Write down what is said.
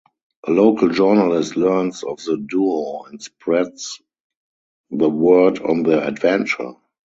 A local journalist learns of the duo and spreads the word on their adventure.